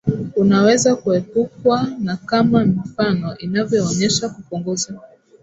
unaweza kuepukwa na kama mifano inavyoonyesha kupunguza